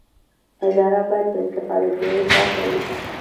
اداره باید له استفاده جویۍ پاکه وي.